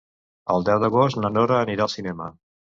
El deu d'agost na Nora anirà al cinema.